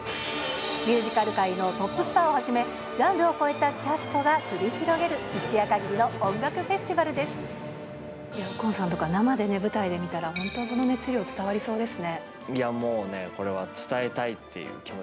ミュージカル界のトップスターをはじめ、ジャンルを超えたキャストが繰り広げる一夜限りのフェスティバル、右近さんとか、生で舞台見たら本当、その熱量伝わりそうですね。